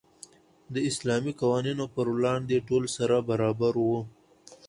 د اسلامي قوانینو په وړاندې ټول سره برابر وو.